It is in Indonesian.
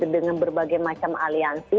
dengan berbagai macam aliansi